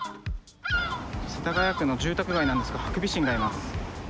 世田谷区の住宅街なんですが、ハクビシンがいます。